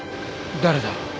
誰だ？